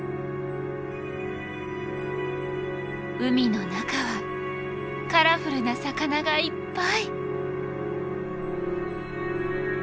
海の中はカラフルな魚がいっぱい！